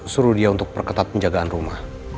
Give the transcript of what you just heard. suruh dia untuk perketat penjagaan rumah